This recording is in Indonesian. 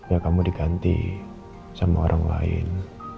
ya kamu diganti sama orang lain